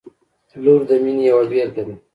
• لور د مینې یوه بېلګه ده.